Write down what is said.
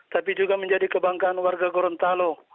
tapi juga menjadi kebanggaan warga gorontalo